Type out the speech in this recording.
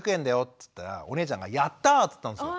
っつったらお姉ちゃんが「やった！」って言ったんですよ。